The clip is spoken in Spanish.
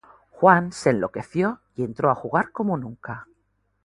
Juan se enloqueció y entró a jugar como nunca.